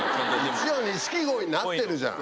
一応錦鯉になってるじゃん。